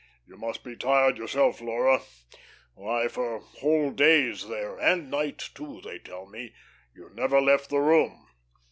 You must be tired yourself, Laura. Why, for whole days there and nights, too, they tell me you never left the room."